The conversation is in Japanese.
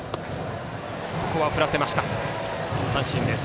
ここは振らせて三振です。